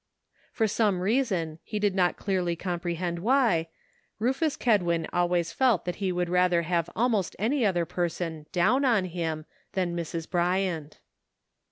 For some reason, he did not clearly compre hend why, Rufus Kedwin always felt that he would rather have almost any other person " down on him " than Mrs. Bryant.